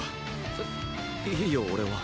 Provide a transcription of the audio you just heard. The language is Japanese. えっいいよ俺は。